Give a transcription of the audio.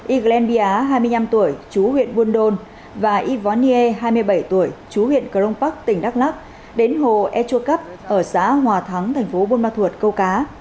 y glen bia hai mươi năm tuổi chú huyện buôn đôn và y võ nhiê hai mươi bảy tuổi chú huyện cờ rông pắc tỉnh đắk lắc đến hồ etrua cấp ở xã hòa thắng thành phố buôn ma thuột câu cá